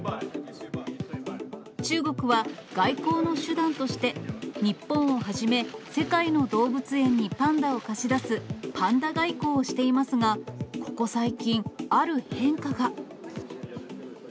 中国は外交の手段として、日本をはじめ世界の動物園にパンダを貸し出すパンダ外交をしていますが、ここ最近、ある変化が。